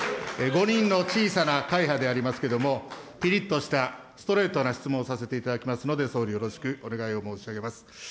５人の小さな会派でありますけれども、ぴりっとしたストレートな質問をさせていただきますので、総理、よろしくお願いを申し上げます。